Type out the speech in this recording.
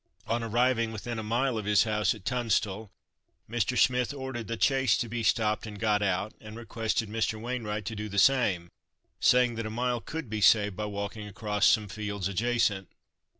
On arriving within a mile of his house at Tunstall, Mr. Smith ordered the chaise to be stopped, and got out, and requested Mr. Wainwright to do the same, saying that a mile could be saved by walking across some fields adjacent.